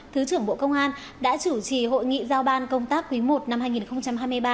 thứ trưởng bộ công an đã chủ trì hội nghị giao ban công tác quý i năm hai nghìn hai mươi ba